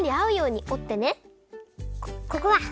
ここだ！